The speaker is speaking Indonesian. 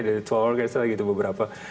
dari dua belas orgasme gitu beberapa